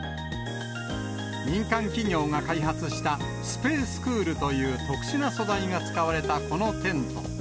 民間企業が開発したスペースクールという特殊な素材が使われたこのテント。